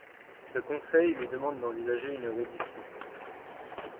Ce conseil lui demande d'envisager une reddition.